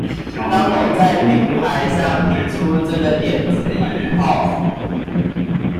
當我在平台上提出這個點子以後